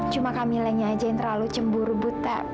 cuma kamilanya aja yang terlalu cemburu buta sama suami kamila